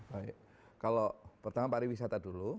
baik kalau pertama pariwisata dulu